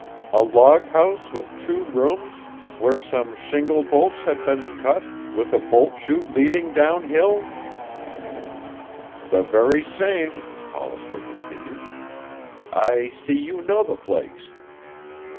"A log house with two rooms, where some shingle bolts had been cut with a bolt chute leading downhill?" "The very same," Hollister continued. "I see you know the place.